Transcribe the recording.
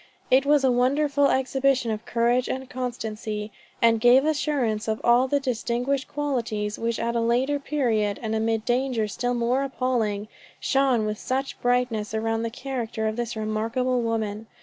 It was a wonderful exhibition of courage and constancy; "and gave assurance of all the distinguished qualities, which at a later period, and amid dangers still more appalling, shone with such brightness around the character of this remarkable woman.